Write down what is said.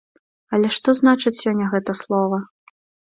Але што значыць сёння гэта слова?